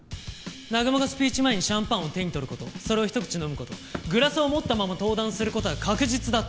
南雲がスピーチ前にシャンパンを手に取る事とそれを一口飲む事グラスを持ったまま登壇する事は確実だった。